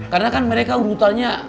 karena kan mereka udah tanya